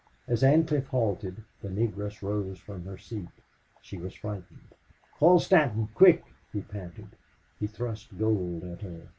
As Ancliffe halted, the Negress rose from her seat. She was frightened. "Call Stanton quick!" he panted. He thrust gold at her.